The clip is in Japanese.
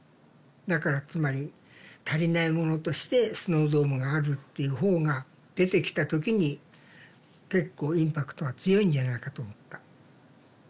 だからつまり足りないものとしてスノードームがあるっていう方が出てきた時に結構インパクトが強いんじゃないかと思った。